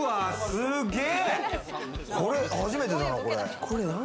これ初めてだな。